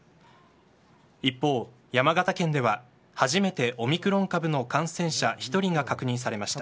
一方、山形県では初めてオミクロン株の感染者１人が確認されました。